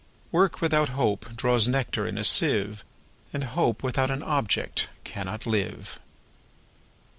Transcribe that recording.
Work without Hope draws nectar in a sieve, And Hope without an object cannot live.